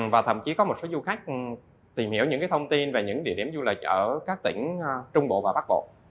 và thậm chí có một số du khách tìm hiểu những thông tin về những địa điểm du lịch ở các tỉnh trung bộ và bắc bộ